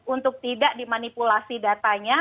untuk tidak dimanipulasi datanya